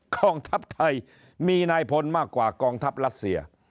กองทัพไทยมีนายพลมากกว่ากองทัพรัสเซีย